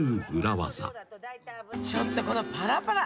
「ちょっとこのパラパラ。